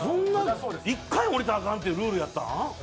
１回も下りたらあかんっていうルールやったん？